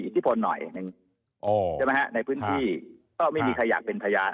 ที่พลหน่อยหนึ่งใช่ไหมฮะในพื้นที่ก็ไม่มีใครอยากเป็นพยาน